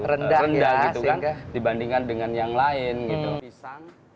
rendah gitu kan dibandingkan dengan yang lain gitu